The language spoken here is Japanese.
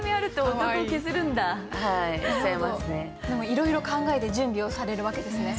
いろいろ考えて準備をされるわけですね。